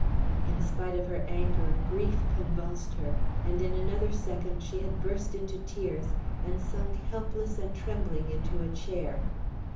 In spite of her anger, grief convulsed her; and in another second she had burst into tears, and sunk helpless and trembling into a chair.